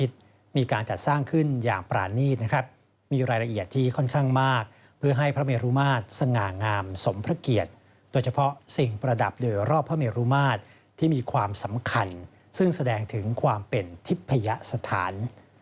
ที่มีความสำคัญซึ่งแสดงถึงความเป็นทิพยสถาน